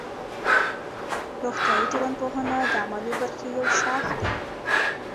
روغتیایی ټولنپوهنه د عملي برخې یو شاخ دی.